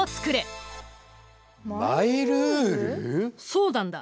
そうなんだ。